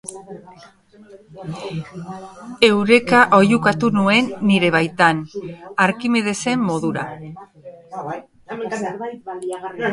Eureka oihukatu nuen nire baitan, Arkimedesen modura.